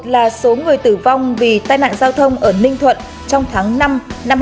một mươi một là số người tử vong vì tai nạn giao thông ở ninh thuận trong tháng năm năm hai nghìn một mươi sáu